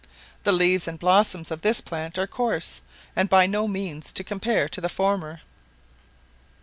The leaves and blossoms of this plant are coarse, and by no means to compare to the former.